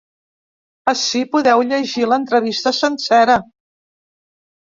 Ací podeu llegir l’entrevista sencera.